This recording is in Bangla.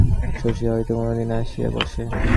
শশীও হয়তো কোনোদিন আসিয়া বসে।